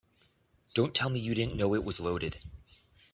Don't tell me you didn't know it was loaded.